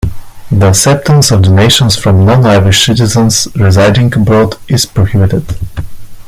The acceptance of donations from non-Irish citizens residing abroad is prohibited.